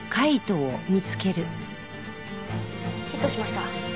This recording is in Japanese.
ヒットしました。